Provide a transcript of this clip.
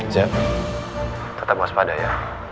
zed tetap waspada ya